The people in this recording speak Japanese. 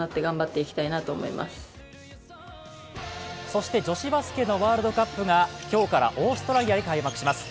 そして女子バスケのワールドカップが今日からオーストラリアで開幕されます。